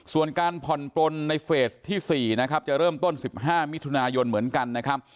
ส่วนการผ่อนปลนในเฟสที่๔นะครับจะเริ่มต้น๑๕มิถุนายนเหมือนกันนะครับ